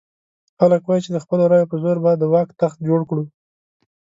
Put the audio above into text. خلک وایي چې د خپلو رایو په زور به د واک تخت جوړ کړو.